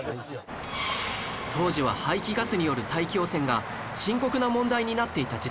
当時は排気ガスによる大気汚染が深刻な問題になっていた時代